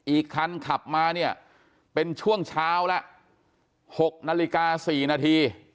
อีกคันขับมาเนี่ยเป็นช่วงเช้าละ๖นาฬิกา๔นาที